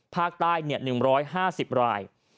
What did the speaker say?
ภาคใต้๑๕๐ราย